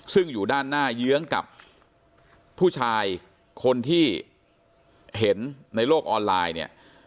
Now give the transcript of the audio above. ซึ่งอยู่ด้านหน้าเยื้องกับผู้ชายคนที่เห็นในโลกออนไลน์เนี่ย